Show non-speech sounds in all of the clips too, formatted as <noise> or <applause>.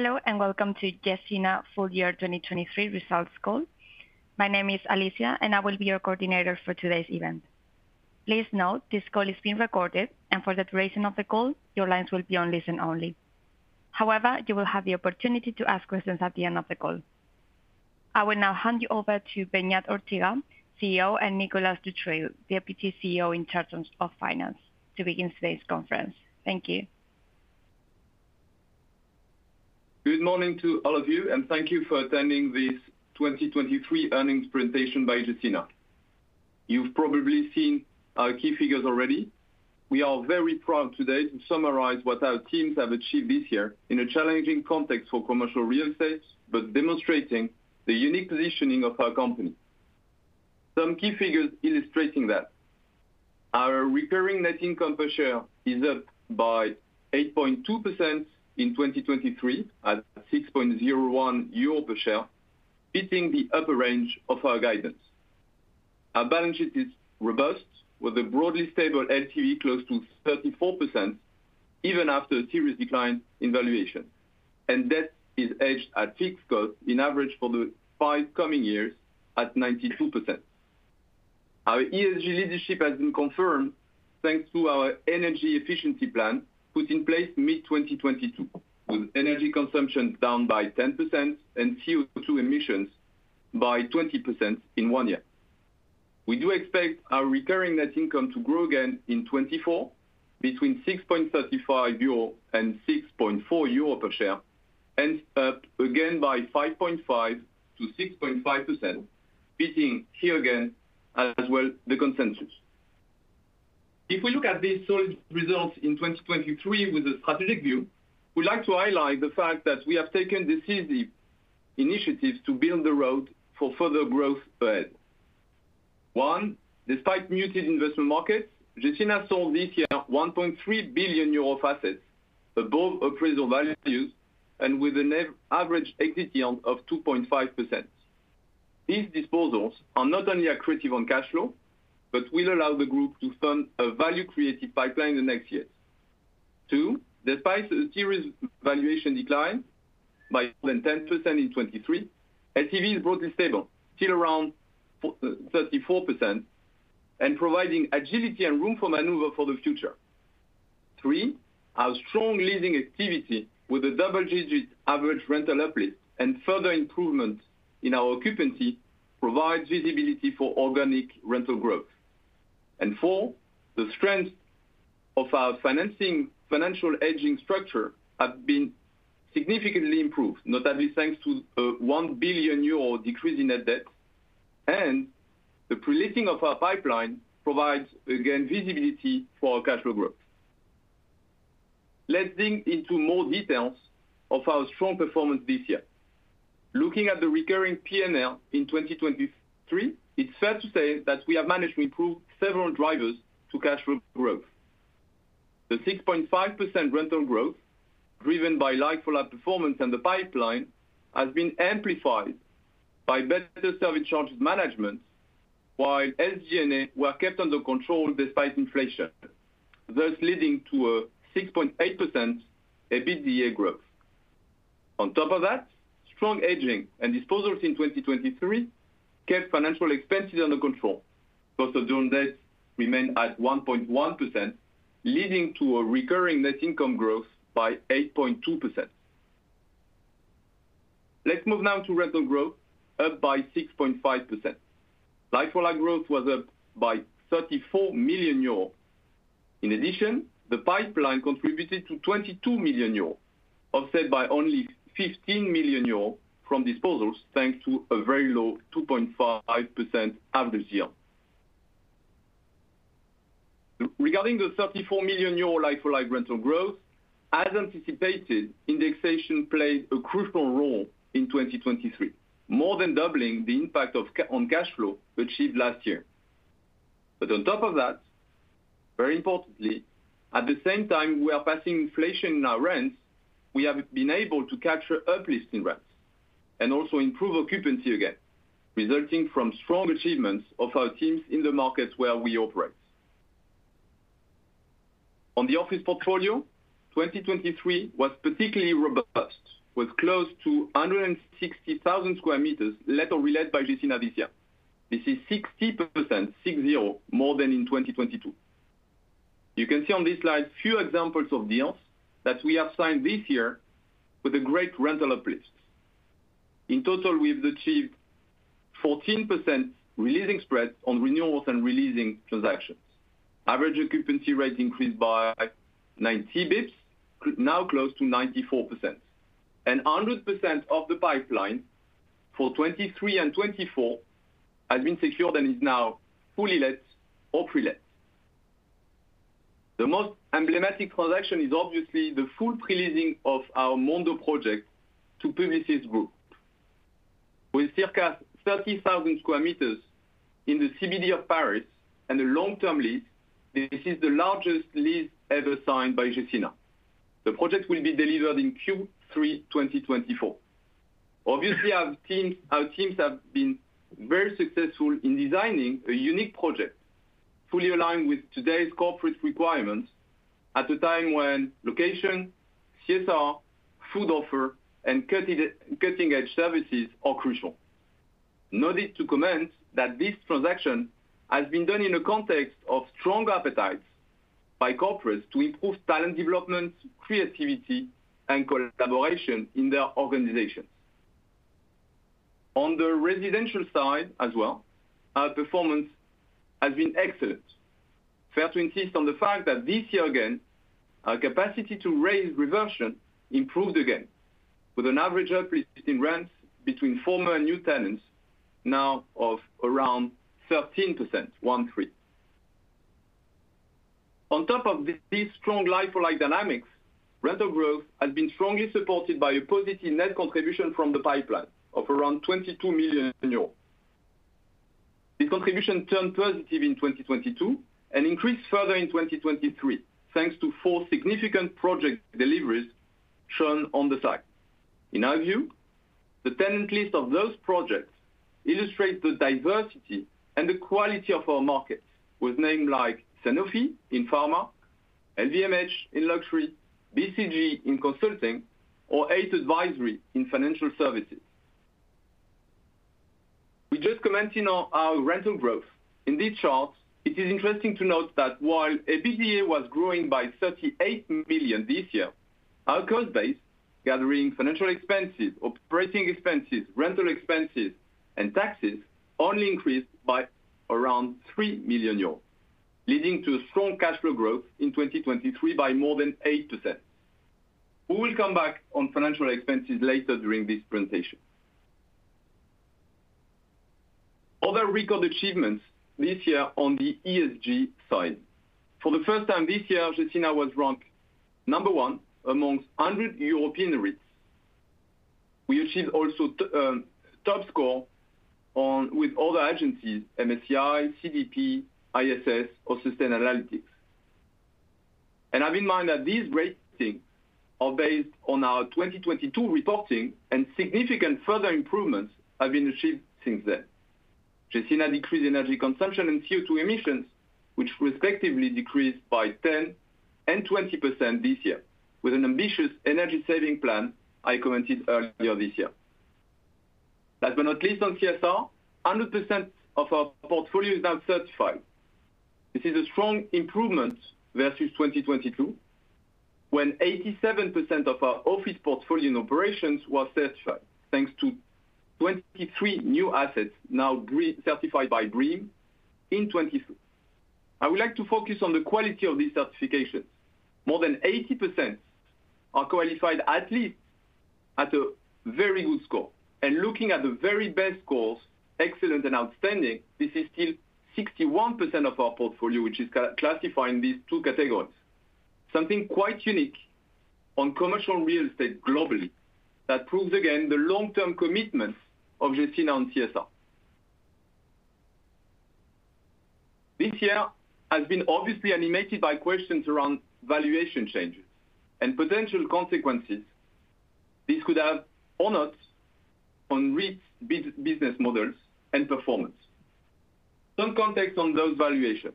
Hello and welcome to Gecina Full Year 2023 Results Call. My name is Alicia, and I will be your coordinator for today's event. Please note, this call is being recorded, and for the duration of the call, your lines will be on listen-only. However, you will have the opportunity to ask questions at the end of the call. I will now hand you over to Beñat Ortega, CEO, and Nicolas Dutreuil, Deputy CEO in charge of Finance, to begin today's conference. Thank you. Good morning to all of you, and thank you for attending this 2023 earnings presentation by Gecina. You've probably seen our key figures already. We are very proud today to summarize what our teams have achieved this year in a challenging context for commercial real estate, but demonstrating the unique positioning of our company. Some key figures illustrating that: our recurring net income per share is up by 8.2% in 2023 at 6.01 euro per share, hitting the upper range of our guidance. Our balance sheet is robust, with a broadly stable LTV close to 34% even after a serious decline in valuation, and debt is hedged at fixed growth in average for the five coming years at 92%. Our ESG leadership has been confirmed thanks to our energy efficiency plan put in place mid-2022, with energy consumption down by 10% and CO2 emissions by 20% in one year. We do expect our recurring net income to grow again in 2024 between 6.35 euro and 6.40 euro per share, and up again by 5.5% to 6.5%, beating here again as well the consensus. If we look at these solid results in 2023 with a strategic view, we'd like to highlight the fact that we have taken decisive initiatives to build the road for further growth ahead. One, despite muted investment markets, Gecina sold this year 1.3 billion euro of assets above appraisal values and with an average exit yield of 2.5%. These disposals are not only accretive on cash flow, but will allow the group to fund a value-accretive pipeline in the next years. Two, despite a serious valuation decline by more than 10% in 2023, LTV is broadly stable, still around 34%, and providing agility and room for maneuver for the future. Three, our strong leasing activity with a double-digit average rental uplift and further improvement in our occupancy provide visibility for organic rental growth. And four, the strength of our financial hedging structure has been significantly improved, notably thanks to a 1 billion euro decrease in net debt, and the pre-letting of our pipeline provides, again, visibility for our cash flow growth. Let's dig into more details of our strong performance this year. Looking at the recurring P&L in 2023, it's fair to say that we have managed to improve several drivers to cash flow growth. The 6.5% rental growth, driven by like-for-like performance and the pipeline, has been amplified by better service charges management while SG&A were kept under control despite inflation, thus leading to a 6.8% year-over-year growth. On top of that, strong hedging and disposals in 2023 kept financial expenses under control, cost of their debt remained at 1.1%, leading to a recurring net income growth by 8.2%. Let's move now to rental growth, up by 6.5%. Like-for-like growth was up by 34 million euros. In addition, the pipeline contributed to 22 million euros, offset by only 15 million euros from disposals thanks to a very low 2.5% average yield. Regarding the 34 million euro like-for-like rental growth, as anticipated, indexation played a crucial role in 2023, more than doubling the impact on cash flow achieved last year. But on top of that, very importantly, at the same time we are passing inflation in our rents, we have been able to capture uplift in rents and also improve occupancy again, resulting from strong achievements of our teams in the markets where we operate. On the Office portfolio, 2023 was particularly robust, with close to 160,000sq m let or relet by Gecina this year. This is 60% more than in 2022. You can see on this slide few examples of deals that we have signed this year with a great rental uplift. In total, we've achieved 14% releasing spread on renewals and releasing transactions, average occupancy rate increased by 90 basis points, now close to 94%, and 100% of the pipeline for 2023 and 2024 has been secured and is now fully let or pre-let. The most emblematic transaction is obviously the full preleasing of our Mondo project to Publicis Groupe. With circa 30,000sq m in the CBD of Paris and a long-term lease, this is the largest lease ever signed by Gecina. The project will be delivered in Q3 2024. Obviously, our teams have been very successful in designing a unique project fully aligned with today's corporate requirements at a time when location, CSR, food offer, and cutting-edge services are crucial. No need to comment that this transaction has been done in a context of strong appetites by corporates to improve talent development, creativity, and collaboration in their organizations. On the Residential side as well, our performance has been excellent. Fair to insist on the fact that this year again, our capacity to raise reversion improved again, with an average uplift in rents between former and new tenants now of around 13%, one-three. On top of these strong lifelong dynamics, rental growth has been strongly supported by a positive net contribution from the pipeline of around 22 million euros. This contribution turned positive in 2022 and increased further in 2023 thanks to four significant project deliveries shown on the slide. In our view, the tenant list of those projects illustrates the diversity and the quality of our markets, with names like Sanofi in pharma, LVMH in luxury, BCG in consulting, or Eight Advisory in financial services. We just commented on our rental growth. In this chart, it is interesting to note that while EBITDA was growing by 38 million this year, our cost base, gathering financial expenses, operating expenses, rental expenses, and taxes, only increased by around 3 million euros, leading to strong cash flow growth in 2023 by more than 8%. We will come back on financial expenses later during this presentation. Other record achievements this year on the ESG side. For the first time this year, Gecina was ranked number one amongst 100 European REITs. We achieved also top score with other agencies, MSCI, CDP, ISS, or Sustainalytics. Have in mind that these ratings are based on our 2022 reporting, and significant further improvements have been achieved since then. Gecina decreased energy consumption and CO2 emissions, which respectively decreased by 10% and 20% this year, with an ambitious energy saving plan I commented earlier this year. Last but not least, on CSR, 100% of our portfolio is now certified. This is a strong improvement versus 2022, when 87% of our Office portfolio in operations were certified thanks to 23 new assets now certified by BREEAM in 2023. I would like to focus on the quality of these certifications. More than 80% are qualified at least at a very good score. And looking at the very best scores, excellent and outstanding, this is still 61% of our portfolio, which is classifying these two categories, something quite unique on commercial real estate globally that proves, again, the long-term commitment of Gecina on CSR. This year has been obviously animated by questions around valuation changes and potential consequences this could have or not on REITs' business models and performance. Some context on those valuations.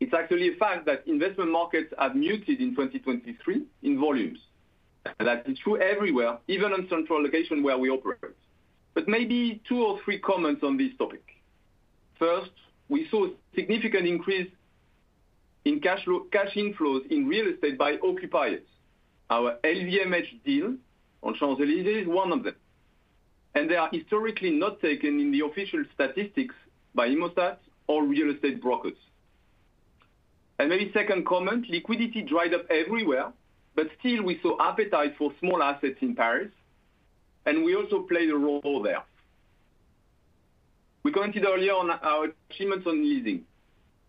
It's actually a fact that investment markets have muted in 2023 in volumes, and that is true everywhere, even on central location where we operate. But maybe two or three comments on this topic. First, we saw a significant increase in cash inflows in real estate by occupiers. Our LVMH deal on Champs-Élysées is one of them. And they are historically not taken in the official statistics by Immostat or real estate brokers. Maybe second comment, liquidity dried up everywhere, but still we saw appetite for small assets in Paris, and we also played a role there. We commented earlier on our achievements on leasing.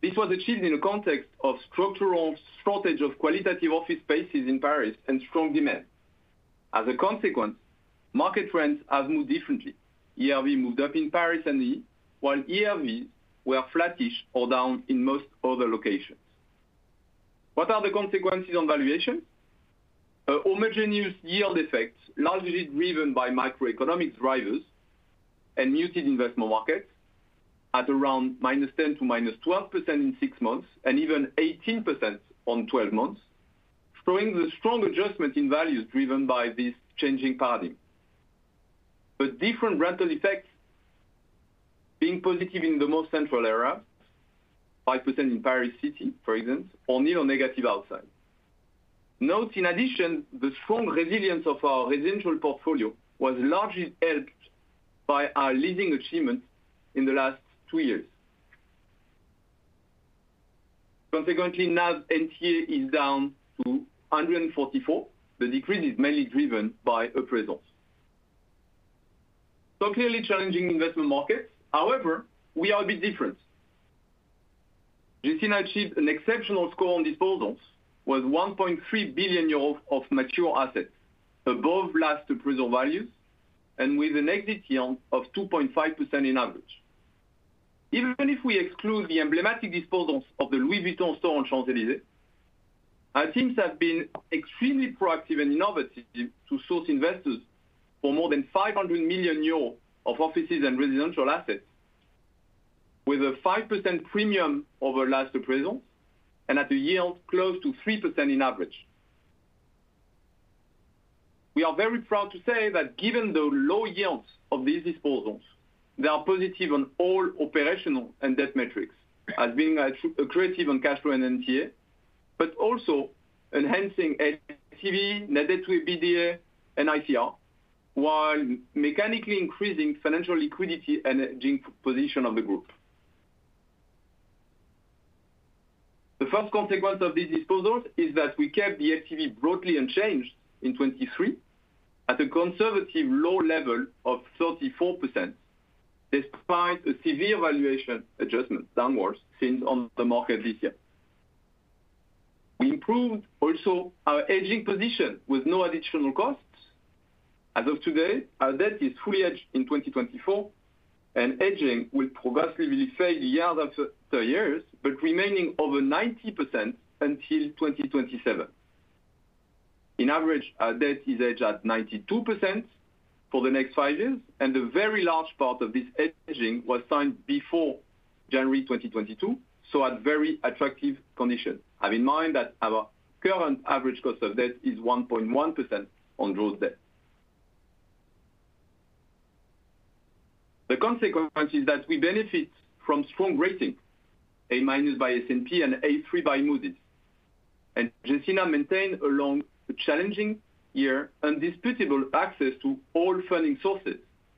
This was achieved in a context of structural shortage of qualitative office spaces in Paris and strong demand. As a consequence, market trends have moved differently. ERV moved up in Paris and Lille, while ERVs were flattish or down in most other locations. What are the consequences on valuation? A homogeneous yield effect, largely driven by microeconomic drivers and muted investment markets, at around -10% to -12% in 6 months and even -18% on 12 months, showing the strong adjustment in values driven by this changing paradigm. But different rental effects, being positive in the most central area, 5% in Paris City, for example, or nearly negative outside. Note, in addition, the strong resilience of our Residential portfolio was largely helped by our leasing achievements in the last two years. Consequently, NAV NTA is down to 144. The decrease is mainly driven by appraisals. So clearly challenging investment markets. However, we are a bit different. Gecina achieved an exceptional score on disposals, with 1.3 billion euros of mature assets above last appraisal values and with an exit yield of 2.5% in average. Even if we exclude the emblematic disposals of the Louis Vuitton store on Champs-Élysées, our teams have been extremely proactive and innovative to source investors for more than 500 million euros of offices and residential assets, with a 5% premium over last appraisals and at a yield close to 3% in average. We are very proud to say that given the low yields of these disposals, they are positive on all operational and debt metrics, as being accretive on cash flow and NTA, but also enhancing LTV, net debt-to-EBITDA, and ICR, while mechanically increasing financial liquidity and hedging position of the group. The first consequence of these disposals is that we kept the LTV broadly unchanged in 2023 at a conservative low level of 34%, despite a severe valuation adjustment downward since on the market this year. We improved also our hedging position with no additional costs. As of today, our debt is fully hedged in 2024, and hedging will progressively fade year-after-year, but remaining over 90% until 2027. On average, our debt is hedged at 92% for the next five years, and a very large part of this hedging was signed before January 2022, so at very attractive conditions. Bear in mind that our current average cost of debt is 1.1% on drawn debt. The consequence is that we benefit from strong rating, A- by S&P and A3 by Moody's. Gecina maintained along a challenging year, indisputable access to all funding sources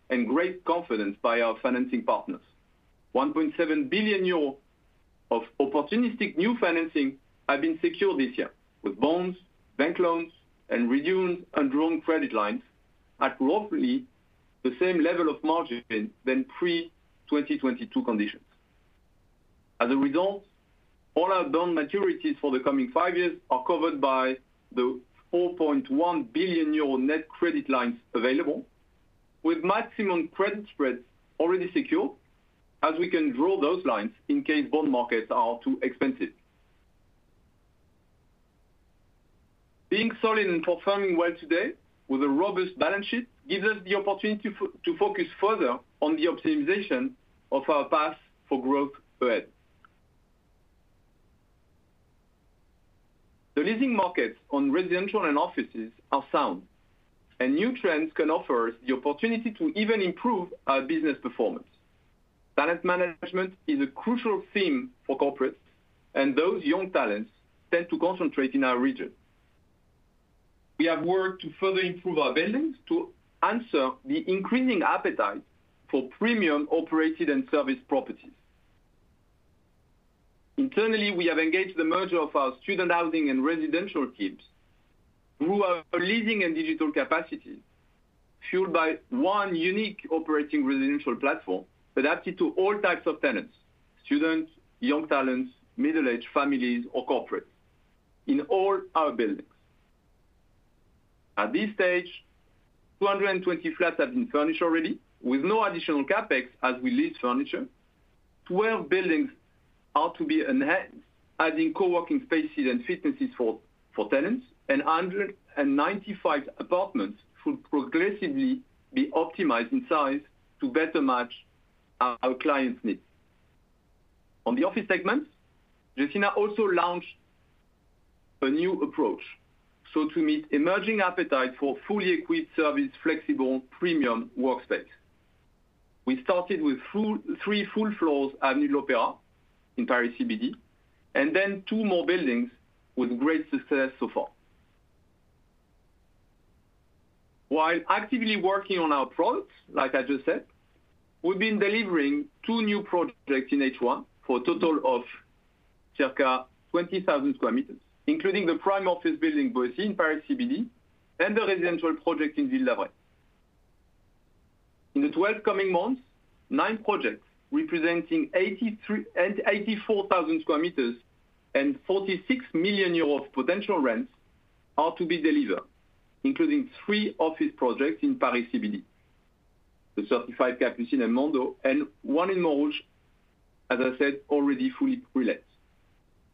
and great confidence by our financing partners. 1.7 billion euros of opportunistic new financing have been secured this year, with bonds, bank loans, and redundant and drawn credit lines at roughly the same level of margin than pre-2022 conditions. As a result, all our bond maturities for the coming five years are covered by the 4.1 billion euro net credit lines available, with maximum credit spreads already secured, as we can draw those lines in case bond markets are too expensive. Being solid and performing well today with a robust balance sheet gives us the opportunity to focus further on the optimization of our path for growth ahead. The leasing markets on residential and offices are sound, and new trends can offer us the opportunity to even improve our business performance. Talent management is a crucial theme for corporates, and those young talents tend to concentrate in our region. We have worked to further improve our buildings to answer the increasing appetite for premium operated and service properties. Internally, we have engaged the merger of our student housing and residential teams through our leasing and digital capacities, fueled by one unique operating residential platform adapted to all types of tenants: students, young talents, middle-aged families, or corporates in all our buildings. At this stage, 220 flats have been furnished already, with no additional CapEx as we lease furniture. Twelve buildings are to be enhanced, adding coworking spaces and fitnesses for tenants, and 195 apartments could progressively be optimized in size to better match our clients' needs. On the Office segment, Gecina also launched a new approach, so to meet emerging appetite for fully equipped, service, flexible, premium workspace. We started with three full floors Avenue de l'Opéra in Paris CBD, and then two more buildings with great success so far. While actively working on our products, like I just said, we've been delivering two new projects in H1 for a total of circa 20,000sq m, including the prime office building Boétie in Paris CBD and the residential project in Ville d'Avray. In the 12 coming months, nine projects representing 84,000sq m and 46 million euros of potential rents are to be delivered, including three office projects in Paris CBD, the certified Capucines and Mondo, and one in Montrouge, as I said, already fully pre-let.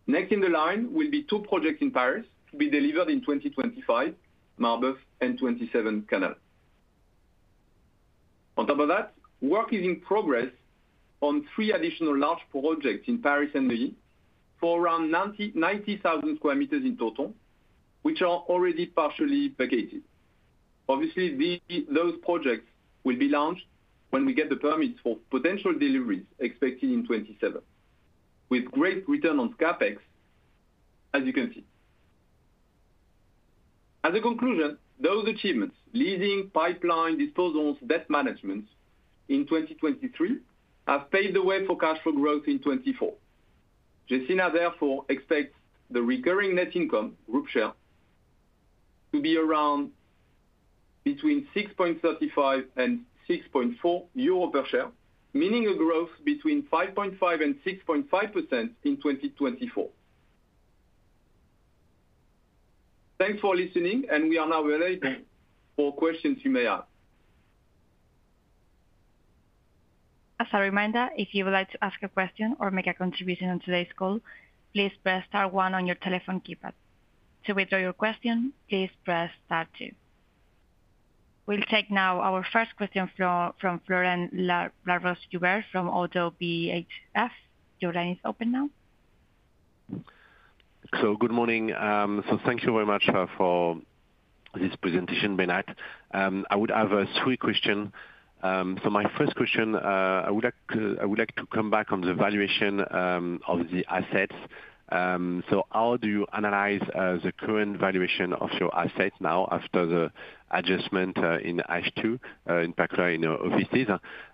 Next in the line will be two projects in Paris to be delivered in 2025, Marbeuf and 27 Canal. On top of that, work is in progress on three additional large projects in Paris and Lille for around 90,000sq m in total, which are already partially vacated. Obviously, those projects will be launched when we get the permits for potential deliveries expected in 2027, with great return on CapEx, as you can see. As a conclusion, those achievements, leasing, pipeline, disposals, debt management in 2023, have paved the way for cash flow growth in 2024. Gecina, therefore, expects the recurring net income, group share, to be around between 6.35 to 6.4 euro per share, meaning a growth between 5.5% to 6.5% in 2024. Thanks for listening, and we are now available for questions you may have. As a reminder, if you would like to ask a question or make a contribution on today's call, please press star one on your telephone keypad. To withdraw your question, please press star two. We'll take now our first question from Florent Laroche-Joubert from ODDO BHF. Your line is open now. Good morning. Thank you very much for this presentation, Beñat. I would have three questions. My first question, I would like to come back on the valuation of the assets. How do you analyze the current valuation of your assets now after the adjustment in H2, in particular in your offices?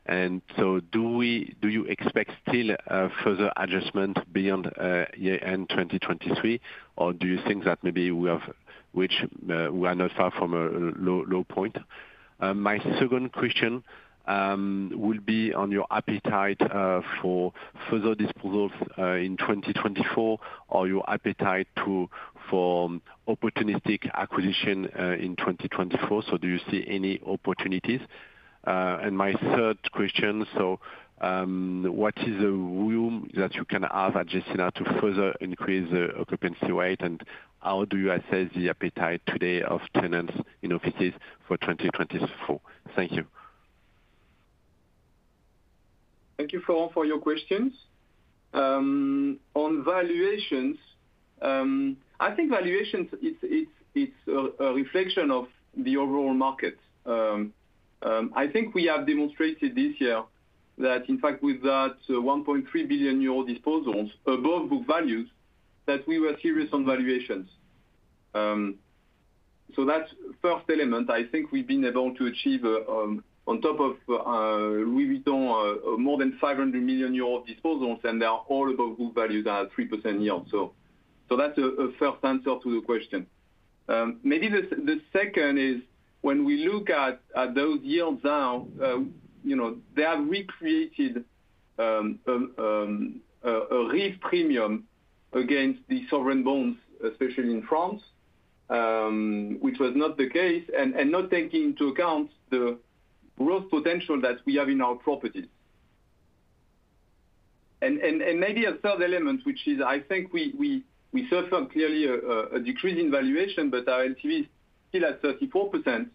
And do you expect still further adjustment beyond year-end 2023, or do you think that maybe we are not far from a low point? My second question will be on your appetite for further disposals in 2024 or your appetite for opportunistic acquisition in 2024. Do you see any opportunities? And my third question, what is the room that you can have at Gecina to further increase the occupancy rate, and how do you assess the appetite today of tenants in offices for 2024? Thank you. Thank you, Florian, for your questions. On valuations, I think valuations, it's a reflection of the overall market. I think we have demonstrated this year that, in fact, with that 1.3 billion euro disposals above book values, that we were serious on valuations. So that's the first element. I think we've been able to achieve, on top of Louis Vuitton, more than 500 million euros disposals, and they are all above book values at 3% yield. So that's a first answer to the question. Maybe the second is when we look at those yields now, they have recreated a risk premium against the sovereign bonds, especially in France, which was not the case, and not taking into account the growth potential that we have in our properties. And maybe a third element, which is I think we suffer clearly a decrease in valuation, but our LTV is still at 34%.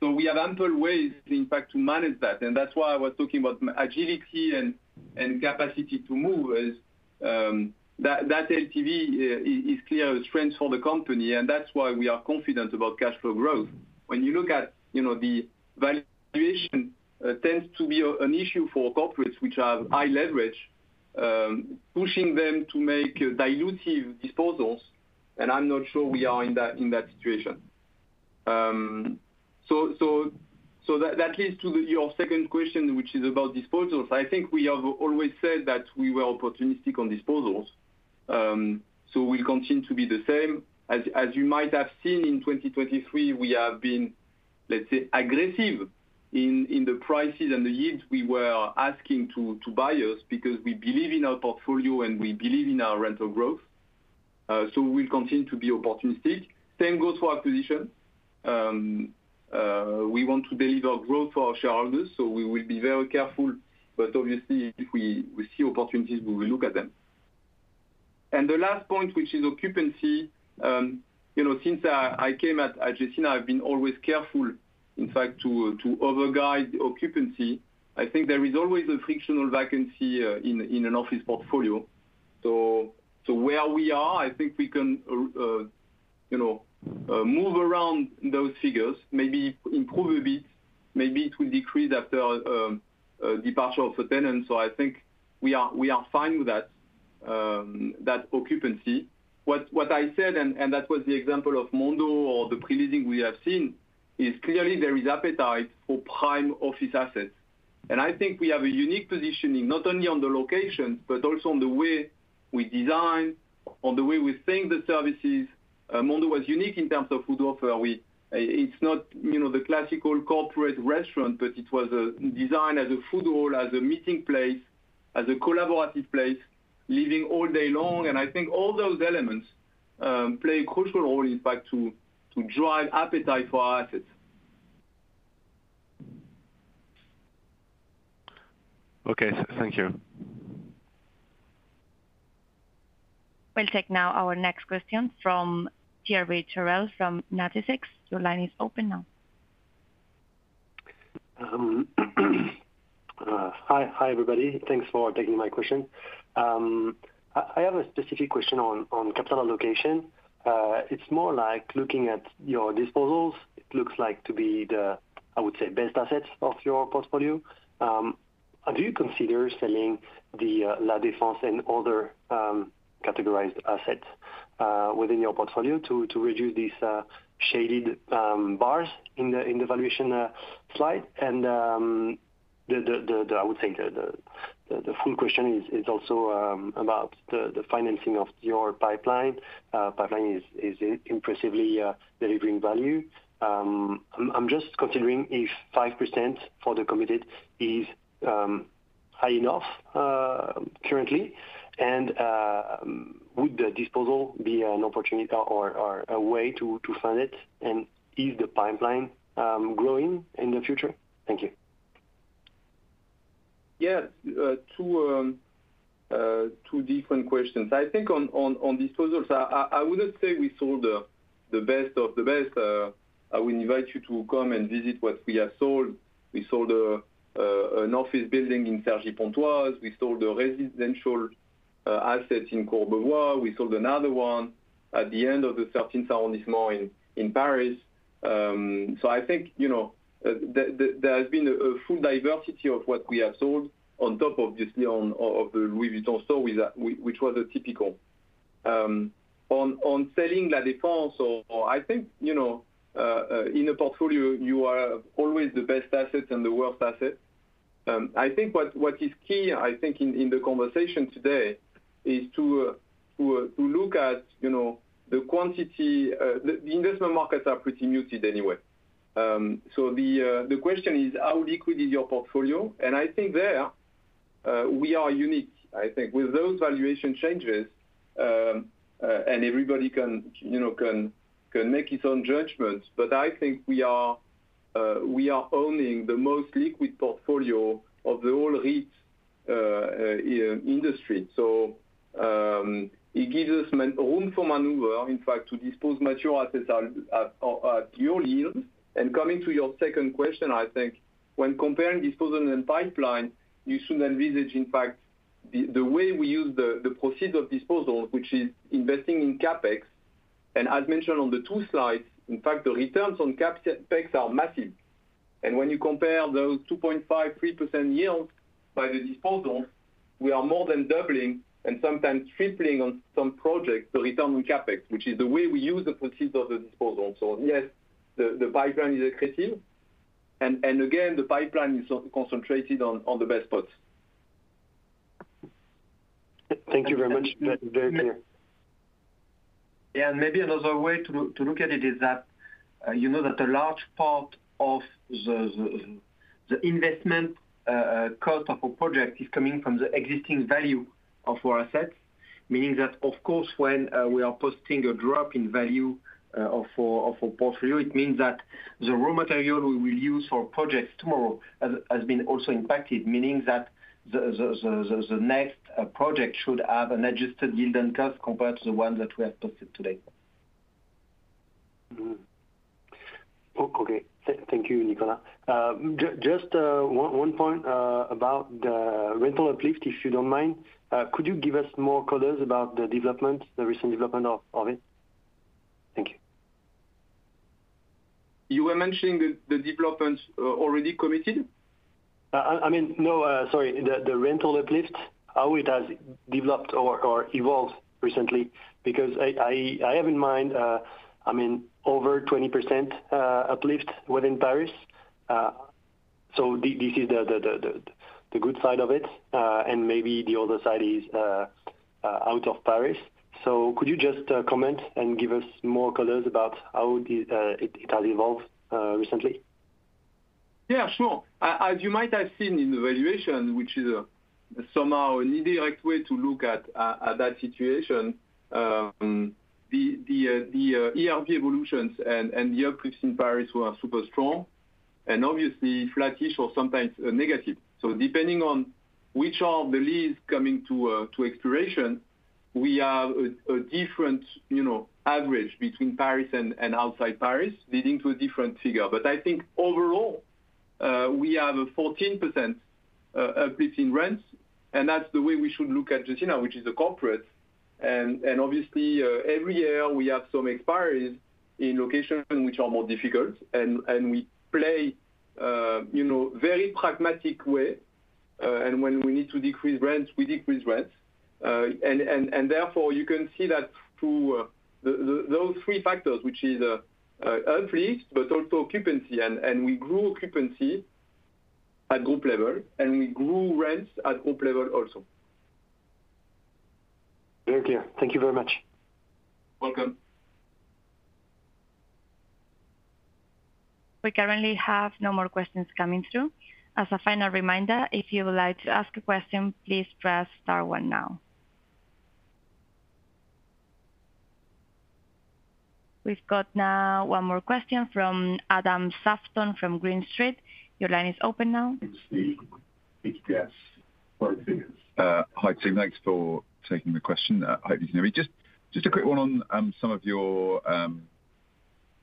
So we have ample ways, in fact, to manage that. And that's why I was talking about agility and capacity to move, is that LTV is clearly a strength for the company, and that's why we are confident about cash flow growth. When you look at the valuation, it tends to be an issue for corporates which have high leverage, pushing them to make dilutive disposals. And I'm not sure we are in that situation. So that leads to your second question, which is about disposals. I think we have always said that we were opportunistic on disposals. So we'll continue to be the same. As you might have seen in 2023, we have been, let's say, aggressive in the prices and the yields we were asking buyers because we believe in our portfolio and we believe in our rental growth. So we'll continue to be opportunistic. Same goes for acquisition. We want to deliver growth for our shareholders, so we will be very careful. But obviously, if we see opportunities, we will look at them. And the last point, which is occupancy, since I came at Gecina, I've been always careful, in fact, to overguide occupancy. I think there is always a frictional vacancy in an office portfolio. So where we are, I think we can move around those figures, maybe improve a bit. Maybe it will decrease after departure of a tenant. So I think we are fine with that occupancy. What I said, and that was the example of Mondo or the pre-leasing we have seen, is clearly there is appetite for prime office assets. And I think we have a unique positioning not only on the locations, but also on the way we design, on the way we think the services. Mondo was unique in terms of food offer. It's not the classic corporate restaurant, but it was designed as a food hall, as a meeting place, as a collaborative place, living all day long. I think all those elements play a crucial role, in fact, to drive appetite for our assets. Okay. Thank you. We'll take now our next question from Thierry Cherel from Natixis. Your line is open now. Hi, everybody. Thanks for taking my question. I have a specific question on capital allocation. It's more like looking at your disposals. It looks like to be the, I would say, best assets of your portfolio. Do you consider selling the La Défense and other categorized assets within your portfolio to reduce these shaded bars in the valuation slide? And I would say the full question is also about the financing of your pipeline; pipeline is impressively delivering value. I'm just considering if 5% for the committed is high enough currently. And would the disposal be an opportunity or a way to fund it? And is the pipeline growing in the future? Thank you. Yeah. Two different questions. I think on disposals, I would not say we sold the best of the best. I would invite you to come and visit what we have sold. We sold an office building in Cergy-Pontoise. We sold a residential asset in Courbevoie. We sold another one at the end of the 13th arrondissement in Paris. So I think there has been a full diversity of what we have sold on top, obviously, of the Louis Vuitton store, which was typical. On selling La Défense, I think in a portfolio, you are always the best asset and the worst asset. I think what is key, I think, in the conversation today is to look at the quantity. The investment markets are pretty muted anyway. So the question is, how liquid is your portfolio? And I think there, we are unique, I think, with those valuation changes. Everybody can make its own judgment. But I think we are owning the most liquid portfolio of the whole REIT industry. So it gives us room for maneuver, in fact, to dispose mature assets at your yield. Coming to your second question, I think when comparing disposal and pipeline, you should envisage, in fact, the way we use the proceeds of disposals, which is investing in CapEx. And as mentioned on the two slides, in fact, the returns on CapEx are massive. And when you compare those 2.5% to 3% yields by the disposals, we are more than doubling and sometimes tripling on some projects, the return on CapEx, which is the way we use the proceeds of the disposals. So yes, the pipeline is accretive. And again, the pipeline is concentrated on the best spots. Thank you very much. Very clear. Yeah. Maybe another way to look at it is that you know that a large part of the investment cost of a project is coming from the existing value of our assets, meaning that, of course, when we are posting a drop in value of our portfolio, it means that the raw material we will use for projects tomorrow has been also impacted, meaning that the next project should have an adjusted yield and cost compared to the one that we have posted today. Okay. Thank you, Nicolas. Just one point about the rental uplift, if you don't mind. Could you give us more colors about the recent development of it? Thank you. You were mentioning the development already committed? I mean, no. Sorry. The rental uplift, how it has developed or evolved recently, because I have in mind, I mean, over 20% uplift within Paris. So this is the good side of it. And maybe the other side is out of Paris. So could you just comment and give us more colors about how it has evolved recently? Yeah, sure. As you might have seen in the valuation, which is somehow an indirect way to look at that situation, the ERV evolutions and the uplift in Paris were super strong and obviously flatish or sometimes negative. So depending on which of the leases coming to expiration, we have a different average between Paris and outside Paris, leading to a different figure. But I think overall, we have a 14% uplift in rents. And that's the way we should look at Gecina, which is a corporate. And obviously, every year, we have some expiries in locations which are more difficult. And we play a very pragmatic way. And when we need to decrease rents, we decrease rents. And therefore, you can see that through those three factors, which is uplift, but also occupancy. And we grew occupancy at group level, and we grew rents at group level also. Very clear. Thank you very much. Welcome. We currently have no more questions coming through. As a final reminder, if you would like to ask a question, please press star one now. We've got now one more question from Adam Shapton from Green Street. Your line is open now. Hi, team. Thank you, guys. Hi, team. Thanks for taking the question. Hopefully, you can hear me. Just a quick one on some of your, I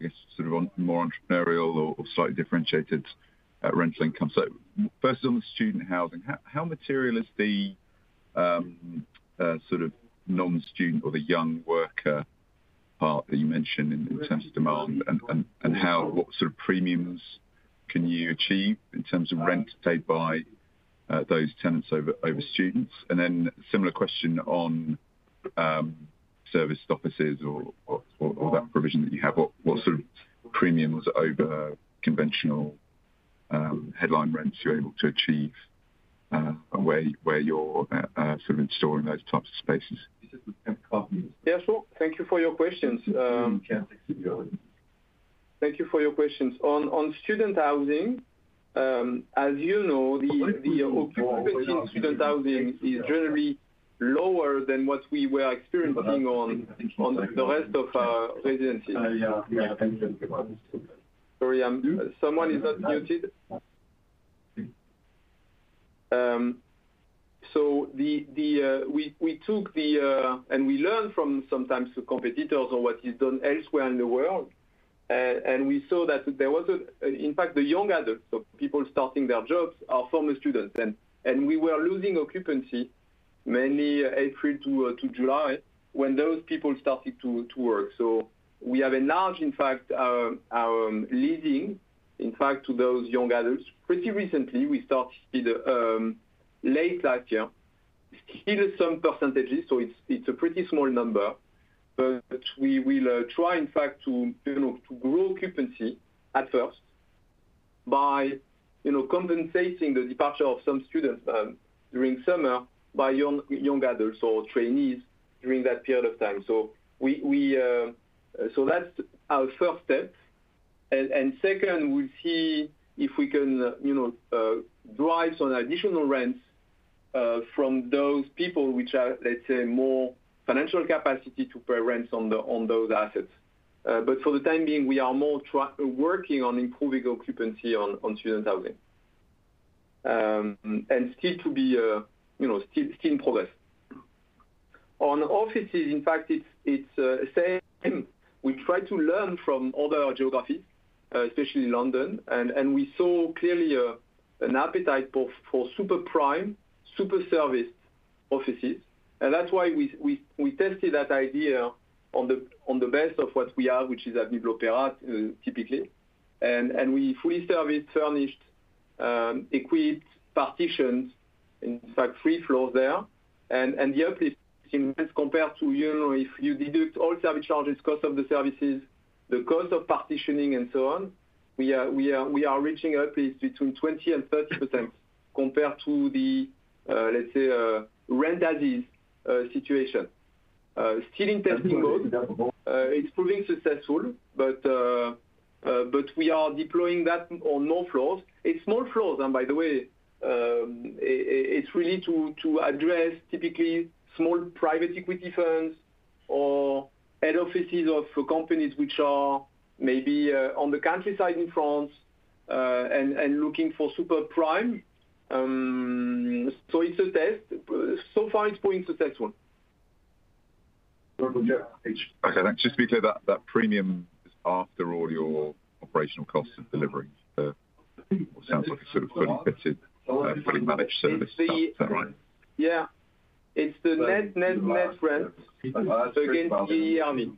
guess, sort of more entrepreneurial or slightly differentiated rental income. So first is on the student housing. How material is the sort of non-student or the young worker part that you mentioned in terms of demand? And what sort of premiums can you achieve in terms of rent paid by those tenants over students? And then a similar question on serviced offices or that provision that you have. What sort of premiums over conventional headline rents are you able to achieve where you're sort of installing those types of spaces? Yeah, sure. Thank you for your questions. Thank you for your questions. On student housing, as you know, the occupancy in student housing is generally lower than what we were experiencing on the rest of our residences. Sorry, someone is not muted. So we took the and we learned from sometimes the competitors or what is done elsewhere in the world. And we saw that there was, in fact, the young adults, so people starting their jobs, are former students. And we were losing occupancy mainly April to July when those people started to work. So we have enlarged, in fact, our leasing, in fact, to those young adults. Pretty recently, we started late last year, still some percentages. So it's a pretty small number. But we will try, in fact, to grow occupancy at first by compensating the departure of some students during summer by young adults or trainees during that period of time. So that's our first step. And second, we'll see if we can drive some additional rents from those people which have, let's say, more financial capacity to pay rents on those assets. But for the time being, we are more working on improving occupancy on student housing and still in progress. On offices, in fact, it's the same. We try to learn from other geographies, especially London. And we saw clearly an appetite for super-prime, super-serviced offices. And that's why we tested that idea on the best of what we have, which is Avenue de l'Opéra, typically. And we fully serviced, furnished, equipped, partitioned, in fact, three floors there. The uplift in rents, compared to if you deduct all service charges, cost of the services, the cost of partitioning, and so on, we are reaching uplift between 20% and 30% compared to the, let's say, rent-as-is situation. Still in testing mode. It's proving successful, but we are deploying that on more floors. It's small floors. And by the way, it's really to address typically small private equity funds or head offices of companies which are maybe on the countryside in France and looking for super-prime. So it's a test. So far, it's proving successful. Okay. Just to be clear, that premium is after all your operational costs of delivering. That sounds like a sort of fully fitted, fully managed service. Is that right? Yeah. It's the net rent against the yearly.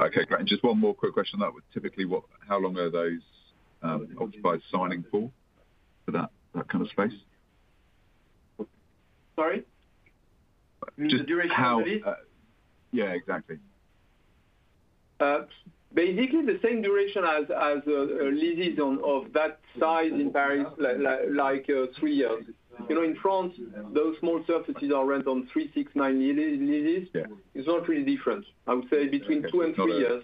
Okay. Great. Just one more quick question. Typically, how long are those occupied signing for, for that kind of space? Sorry? Just how? Yeah, exactly. Basically, the same duration as leases of that size in Paris, like three years. In France, those small surfaces are rent on three, six, nine leases. It's not really different, I would say, between two and three years,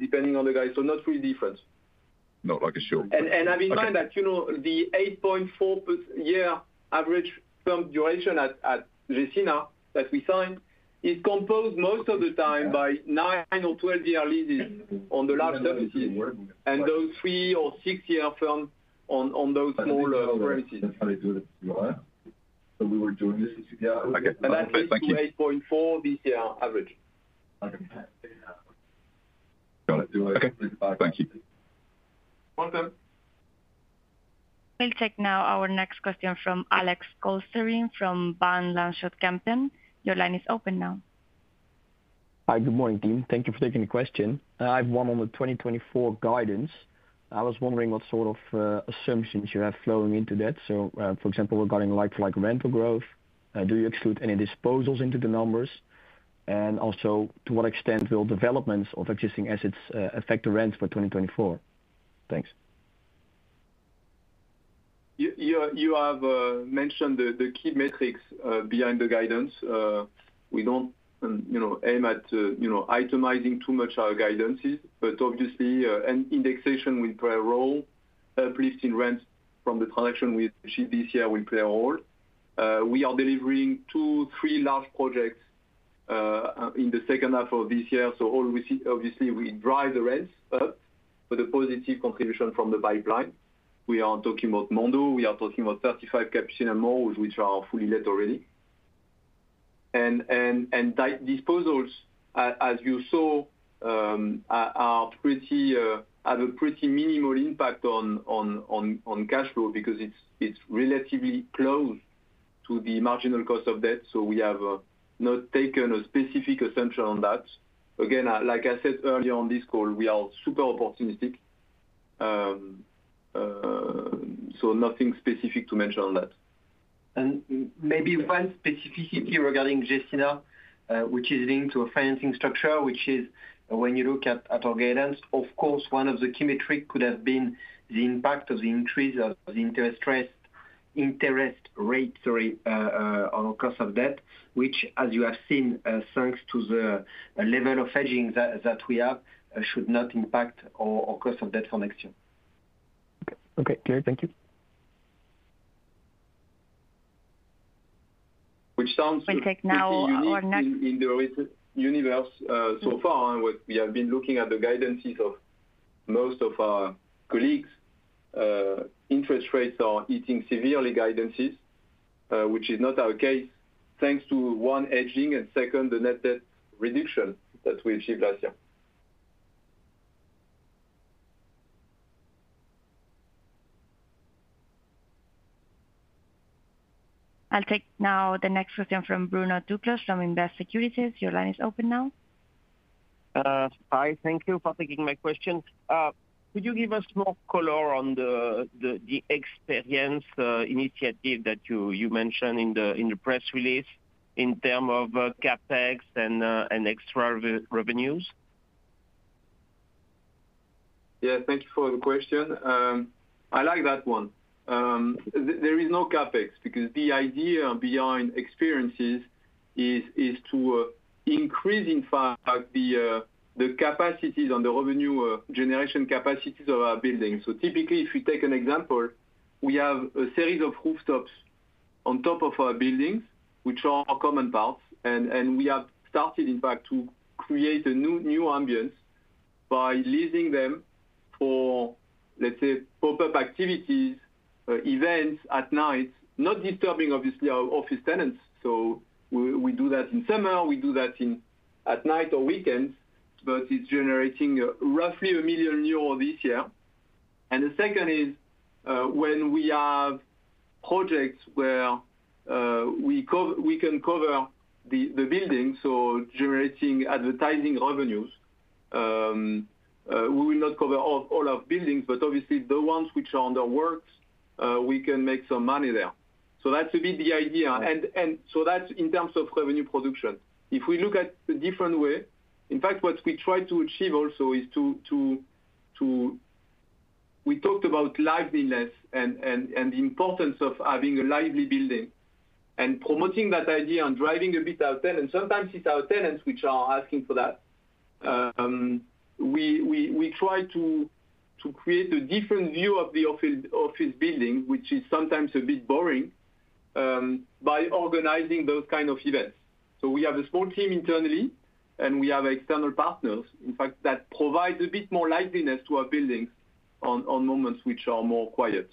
depending on the guy. So not really different. Not like a short. Have in mind that the 8.4-year average firm duration at Gecina that we signed is composed most of the time by nine- or 12-year leases on the large surfaces and those three- or six-year firms on those smaller premises. <crosstalk> Okay. Thank you. That leads to 8.4 this year average. Okay. Got it. Thank you. Welcome. We'll take now our next question from Alex Kolsteren from Van Lanschot Kempen. Your line is open now. Hi. Good morning, team. Thank you for taking the question. I have one on the 2024 guidance. I was wondering what sort of assumptions you have flowing into that. So for example, regarding like-for-like rental growth, do you exclude any disposals into the numbers? And also, to what extent will developments of existing assets affect the rents for 2024? Thanks. You have mentioned the key metrics behind the guidance. We don't aim at itemizing too much our guidances, but obviously, indexation will play a role. Uplift in rents from the transaction we achieved this year will play a role. We are delivering two, three large projects in the second half of this year. So obviously, we drive the rents up for the positive contribution from the pipeline. We are talking about Mondo. We are talking about 35 Capucines more, which are fully let already. And disposals, as you saw, have a pretty minimal impact on cash flow because it's relatively close to the marginal cost of debt. So we have not taken a specific assumption on that. Again, like I said earlier on this call, we are super opportunistic. So nothing specific to mention on that. Maybe one specificity regarding Gecina, which is linked to a financing structure, which is when you look at our guidance, of course, one of the key metrics could have been the impact of the increase of the interest rate, sorry, on our cost of debt, which, as you have seen, thanks to the level of hedging that we have, should not impact our cost of debt for next year. Okay. Okay. Clear. Thank you. Which sounds pretty easy. We take now our next— In the universe so far, we have been looking at the guidances of most of our colleagues. Interest rates are eating severely guidances, which is not our case, thanks to one, hedging, and second, the net debt reduction that we achieved last year. I'll take now the next question from Bruno Duclos from Invest Securities. Your line is open now. Hi. Thank you for taking my question. Could you give us more color on the experience initiative that you mentioned in the press release in terms of CapEx and extra revenues? Yeah. Thank you for the question. I like that one. There is no CapEx because the idea behind experiences is to increase, in fact, the capacities and the revenue generation capacities of our buildings. So typically, if you take an example, we have a series of rooftops on top of our buildings, which are common parts. And we have started, in fact, to create a new ambiance by leasing them for, let's say, pop-up activities, events at night, not disturbing, obviously, our office tenants. So we do that in summer. We do that at night or weekends. But it's generating roughly 1 million euros this year. And the second is when we have projects where we can cover the building, so generating advertising revenues. We will not cover all of buildings, but obviously, the ones which are under work, we can make some money there. So that's a bit the idea. And so that's in terms of revenue production. If we look at the different way, in fact, what we try to achieve also is to we talked about liveliness and the importance of having a lively building. And promoting that idea and driving a bit our tenants sometimes it's our tenants which are asking for that. We try to create a different view of the office building, which is sometimes a bit boring, by organizing those kind of events. So we have a small team internally, and we have external partners, in fact, that provide a bit more liveliness to our buildings on moments which are more quiet.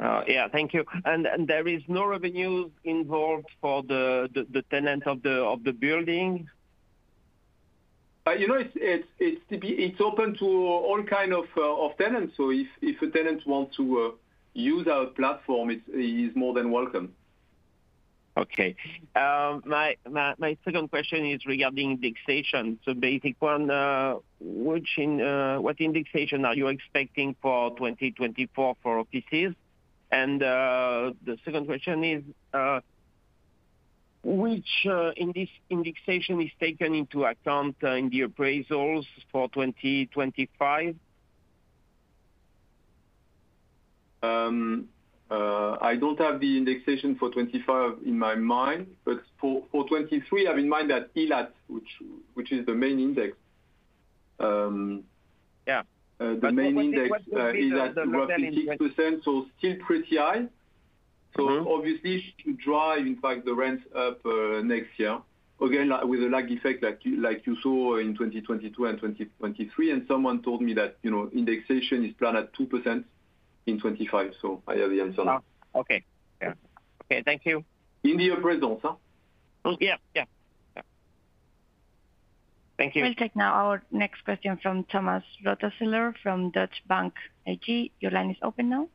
Yeah. Thank you. There is no revenues involved for the tenant of the building? It's open to all kinds of tenants. So if a tenant wants to use our platform, he is more than welcome. Okay. My second question is regarding indexation. So basic one, what indexation are you expecting for 2024 for offices? And the second question is, which indexation is taken into account in the appraisals for 2025? I don't have the indexation for 2025 in my mind. But for 2023, have in mind that ILAT, which is the main index. The main index is at roughly 6%, so still pretty high. So obviously, it should drive, in fact, the rents up next year, again, with a lag effect like you saw in 2022 and 2023. And someone told me that indexation is planned at 2% in 2025. So I have the answer now. Okay. Yeah. Okay. Thank you. In the appraisals, huh? Yeah. Yeah. Yeah. Thank you. We'll take now our next question from Thomas Rothaeusler from Deutsche Bank AG. Your line is open now.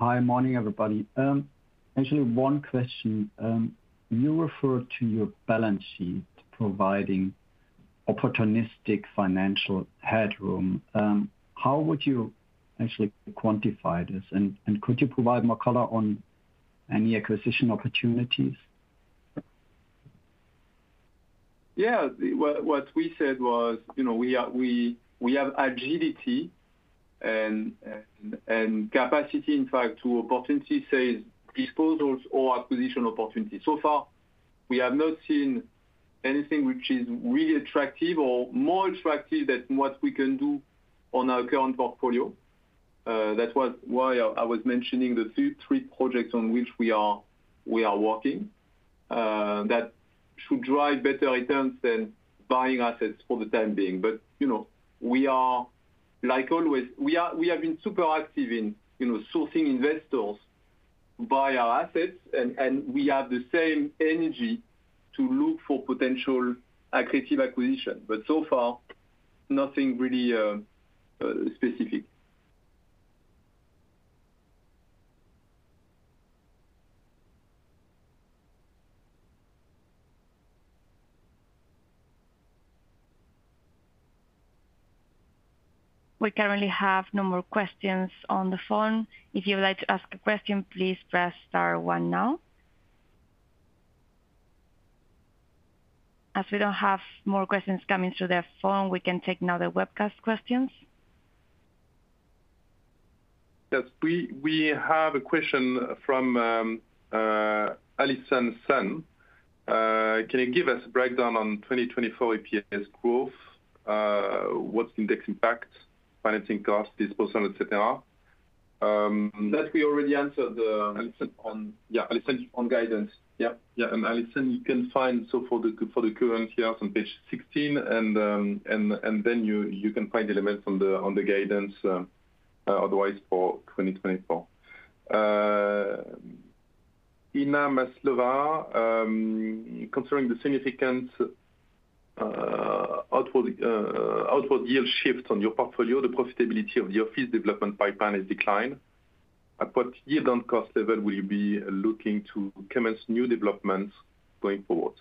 Hi. Morning, everybody. Actually, one question. You referred to your balance sheet providing opportunistic financial headroom. How would you actually quantify this? And could you provide more color on any acquisition opportunities? Yeah. What we said was we have agility and capacity, in fact, to opportunity sales disposals or acquisition opportunities. So far, we have not seen anything which is really attractive or more attractive than what we can do on our current portfolio. That was why I was mentioning the three projects on which we are working that should drive better returns than buying assets for the time being. We are, like always, we have been super active in sourcing investors to buy our assets. We have the same energy to look for potential accretive acquisition. But so far, nothing really specific. We currently have no more questions on the phone. If you would like to ask a question, please press star one now. As we don't have more questions coming through the phone, we can take now the webcast questions. Yes. We have a question from Allison Sun. Can you give us a breakdown on 2024 EPS growth? What's the index impact, financing cost, disposal, etc.? That we already answered, Allison. Yeah. Allison, on guidance. Yeah. Yeah. And Alison, you can find so for the current years on page 16. And then you can find elements on the guidance otherwise for 2024. Inna Maslova, considering the significant outward yield shift on your portfolio, the profitability of the office development pipeline has declined. At what yield and cost level will you be looking to commence new developments going forward?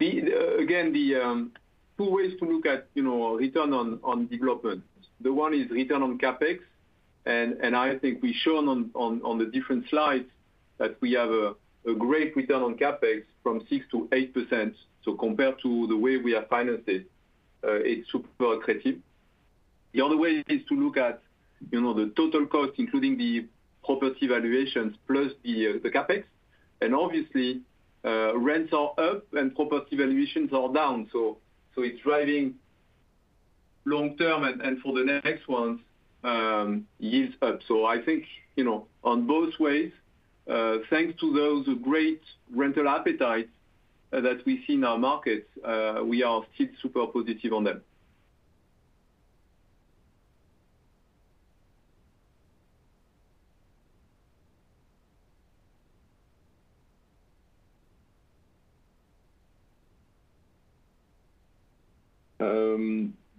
Again, two ways to look at return on development. The one is return on CapEx. And I think we've shown on the different slides that we have a great return on CapEx from 6% to 8%. So compared to the way we have financed it, it's super accretive. The other way is to look at the total cost, including the property valuations plus the CapEx. And obviously, rents are up and property valuations are down. So it's driving long-term and for the next ones, yields up. So I think on both ways, thanks to those great rental appetites that we see in our markets, we are still super positive on them.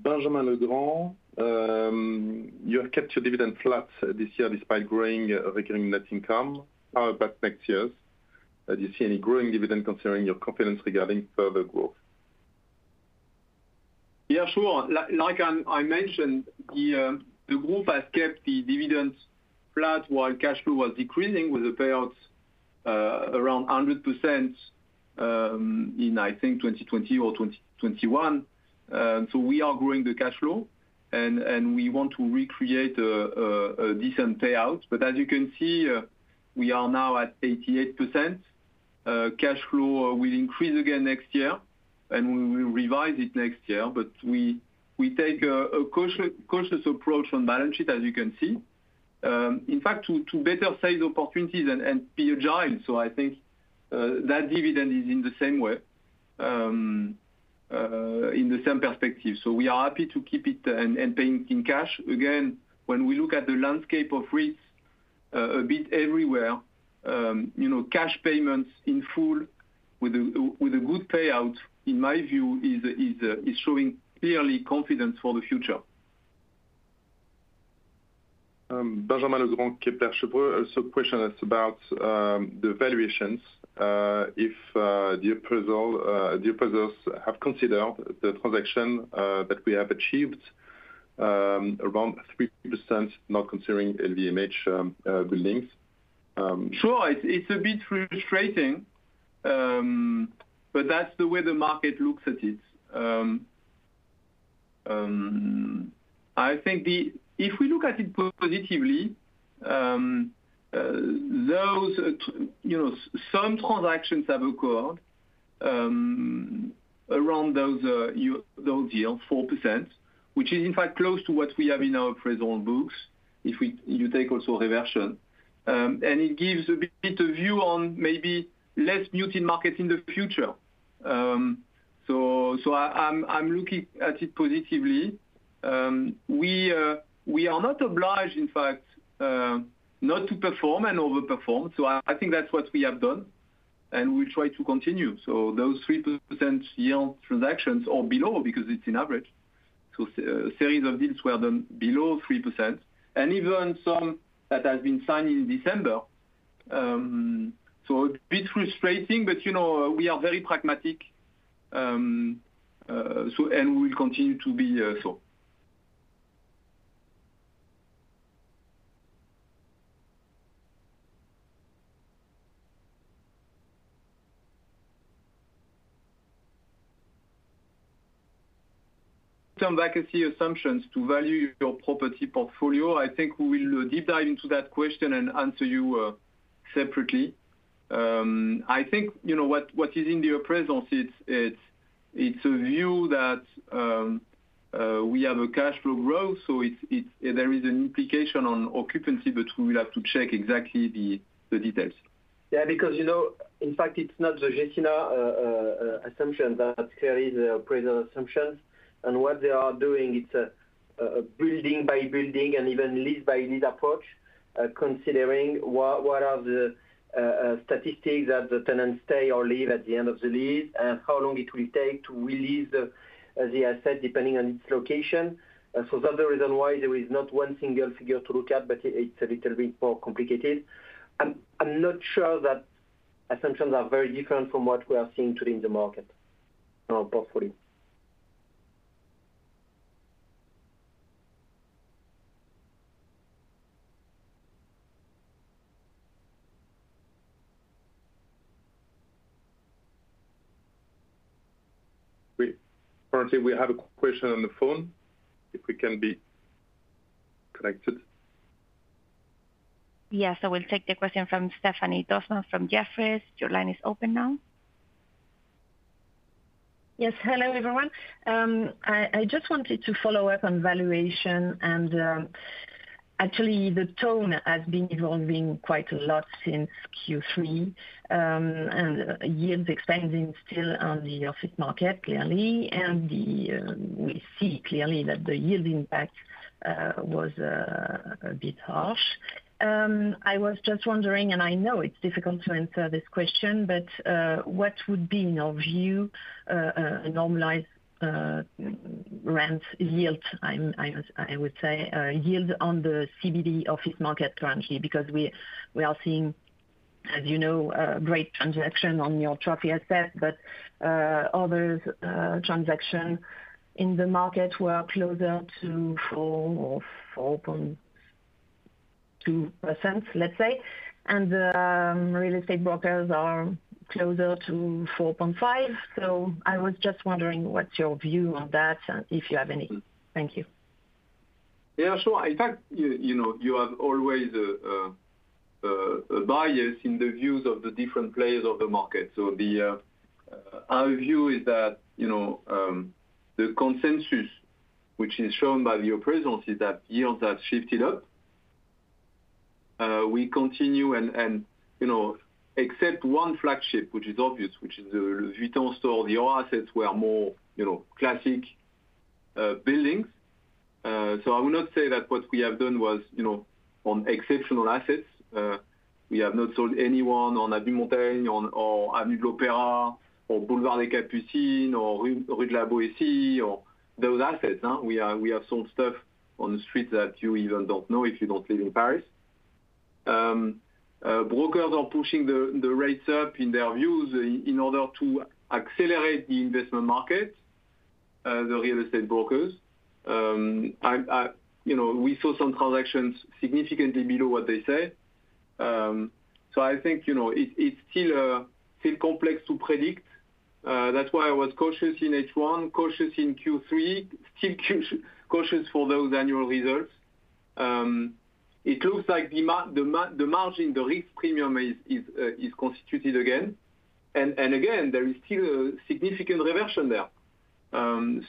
Benjamin Legrand, you have kept your dividend flat this year despite growing recurring net income. How about next year? Do you see any growing dividend considering your confidence regarding further growth? Yeah. Sure. Like I mentioned, the group has kept the dividend flat while cash flow was decreasing with a payout around 100% in, I think, 2020 or 2021. So we are growing the cash flow. And we want to recreate a decent payout. But as you can see, we are now at 88%. Cash flow will increase again next year. And we will revise it next year. But we take a cautious approach on balance sheet, as you can see, in fact, to better sales opportunities and be agile. So I think that dividend is in the same way, in the same perspective. So we are happy to keep it and pay it in cash. Again, when we look at the landscape of REITs a bit everywhere, cash payments in full with a good payout, in my view, is showing clearly confidence for the future. Benjamin Legrand Kepler, so question is about the valuations. If the appraisals have considered the transaction that we have achieved around 3% not considering LVMH buildings. Sure. It's a bit frustrating. But that's the way the market looks at it. I think if we look at it positively, some transactions have occurred around those deals, 4%, which is, in fact, close to what we have in our appraisal books if you take also reversion. And it gives a bit of view on maybe less muted market in the future. So I'm looking at it positively. We are not obliged, in fact, not to perform and overperform. So I think that's what we have done. And we'll try to continue. So those 3% yield transactions or below because it's on average. So a series of deals were done below 3%. And even some that have been signed in December. So a bit frustrating, but we are very pragmatic. And we will continue to be so. Term vacancy assumptions to value your property portfolio, I think we will deep dive into that question and answer you separately. I think what is in the appraisals, it's a view that we have a cash flow growth. So there is an implication on occupancy, but we will have to check exactly the details. Yeah. Because in fact, it's not the Gecina assumption that carries the appraisal assumptions. And what they are doing, it's a building-by-building and even lease-by-lease approach, considering what are the statistics that the tenants stay or leave at the end of the lease and how long it will take to release the asset depending on its location. So that's the reason why there is not one single figure to look at, but it's a little bit more complicated. I'm not sure that assumptions are very different from what we are seeing today in the market or portfolio. We currently have a question on the phone if we can be connected. Yes. I will take the question from Stéphanie Dossmann from Jefferies. Your line is open now. Yes. Hello, everyone. I just wanted to follow up on valuation. And actually, the tone has been evolving quite a lot since Q3. And yields are expanding still on the office market, clearly. And we see clearly that the yield impact was a bit harsh. I was just wondering, and I know it's difficult to answer this question, but what would be in your view a normalized rent yield, I would say, yield on the CBD office market currently? Because we are seeing, as you know, great transaction on your trophy asset, but others' transaction in the market were closer to 4% or 4.2%, let's say. And the real estate brokers are closer to 4.5%. So I was just wondering what's your view on that and if you have any. Thank you. Yeah. Sure. In fact, you have always a bias in the views of the different players of the market. So our view is that the consensus, which is shown by the appraisals, is that yields have shifted up. We continue and except one flagship, which is obvious, which is the Vuitton store, the old assets were more classic buildings. So I will not say that what we have done was on exceptional assets. We have not sold anyone on Avenue Montaigne or Avenue de l'Opéra or Boulevard des Capucines or Rue de la Boétie or those assets. We have sold stuff on the streets that you even don't know if you don't live in Paris. Brokers are pushing the rates up in their views in order to accelerate the investment market, the real estate brokers. We saw some transactions significantly below what they say. So I think it's still complex to predict. That's why I was cautious in H1, cautious in Q3, still cautious for those annual results. It looks like the margin, the risk premium is constituted again. And again, there is still a significant reversion there.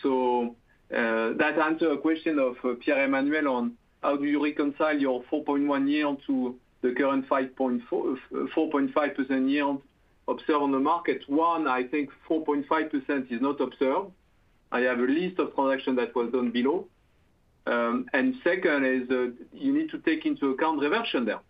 So that answers a question of Pierre-Emmanuel on how do you reconcile your 4.1% yield to the current 4.5% yield observed on the market. One, I think 4.5% is not observed. I have a list of transactions that was done below. And second is you need to take into account reversion there.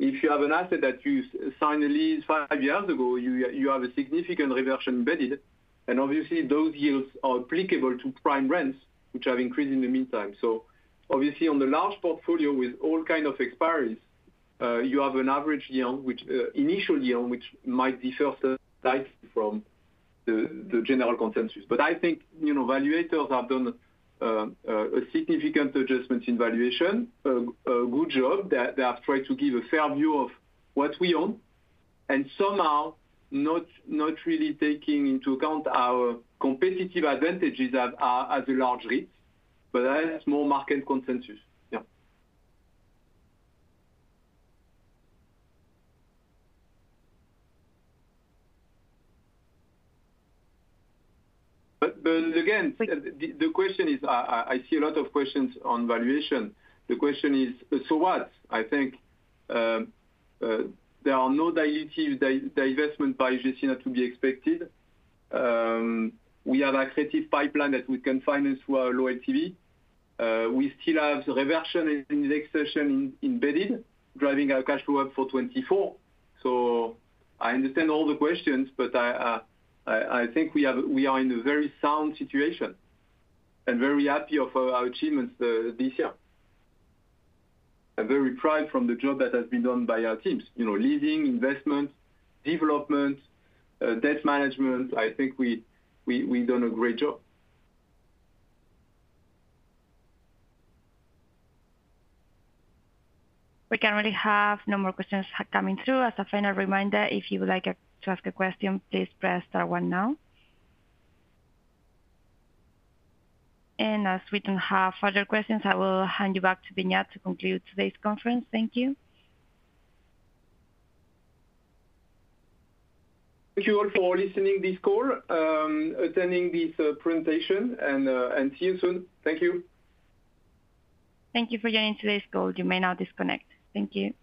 If you have an asset that you signed a lease five years ago, you have a significant reversion embedded. And obviously, those yields are applicable to prime rents, which have increased in the meantime. So obviously, on the large portfolio with all kinds of expiries, you have an average yield, initial yield, which might differ slightly from the general consensus. But I think valuators have done a significant adjustment in valuation, a good job. They have tried to give a fair view of what we own and somehow not really taking into account our competitive advantages as a large REIT. But that's more market consensus. Yeah. But again, the question is, I see a lot of questions on valuation. The question is, so what? I think there are no dilutive divestment by Gecina to be expected. We have an accretive pipeline that we can finance through our loyalty. We still have reversion and indexation embedded driving our cash flow up for 2024. I understand all the questions, but I think we are in a very sound situation and very happy with our achievements this year. I'm very proud from the job that has been done by our teams, leasing, investment, development, debt management. I think we've done a great job. We currently have no more questions coming through. As a final reminder, if you would like to ask a question, please press star one now. As we don't have further questions, I will hand you back to Beñat to conclude today's conference. Thank you. Thank you all for listening to this call, attending this presentation. See you soon. Thank you. Thank you for joining today's call. You may now disconnect. Thank you.